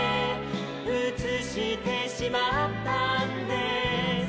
「うつしてしまったんですル・ル」